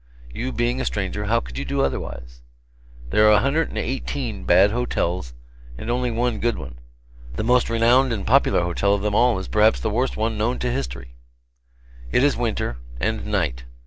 You being a stranger, how could you do otherwise? There are a hundred and eighteen bad hotels, and only one good one. The most renowned and popular hotel of them all is perhaps the worst one known to history. It is winter, and night.